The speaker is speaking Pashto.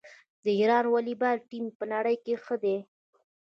د ایران والیبال ټیم په نړۍ کې ښه دی.